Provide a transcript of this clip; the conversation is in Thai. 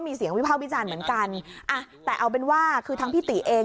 มีเสียงวิภาควิจารณ์เหมือนกันอ่ะแต่เอาเป็นว่าคือทั้งพี่ติเอง